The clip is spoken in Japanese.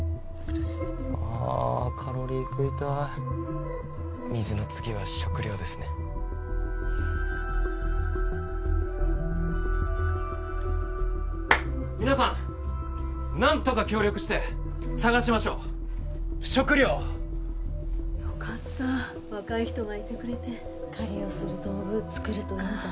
カロリー食いたい水の次は食料ですね皆さん何とか協力して探しましょう食料をよかった若い人がいてくれて狩りをする道具作るといいんじゃない？